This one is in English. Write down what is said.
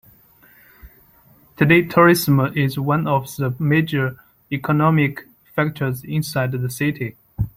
Today, tourism is one of the major economic factors inside the city.